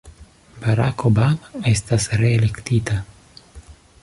Barack Obama estas reelektita.